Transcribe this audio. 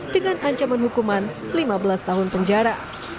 dengan ancaman hukuman lima belas tahun penjara